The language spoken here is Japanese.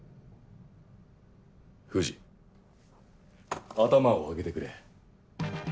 藤頭を上げてくれ。